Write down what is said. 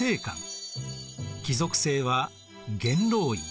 貴族政は元老院。